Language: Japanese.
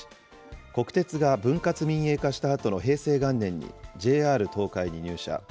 国鉄が分割民営化したあとの平成元年にＪＲ東海に入社。